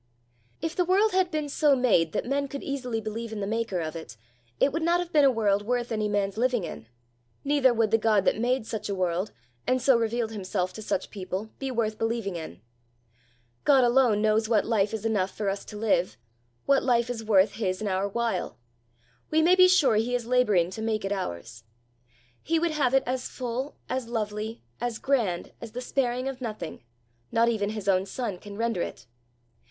If the world had been so made that men could easily believe in the maker of it, it would not have been a world worth any man's living in, neither would the God that made such a world, and so revealed himself to such people, be worth believing in. God alone knows what life is enough for us to live what life is worth his and our while; we may be sure he is labouring to make it ours. He would have it as full, as lovely, as grand, as the sparing of nothing, not even his own son, can render it.